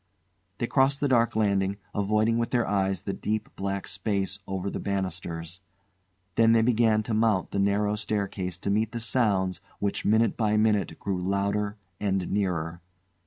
They crossed the dark landing, avoiding with their eyes the deep black space over the banisters. Then they began to mount the narrow staircase to meet the sounds which, minute by minute, grew louder and nearer.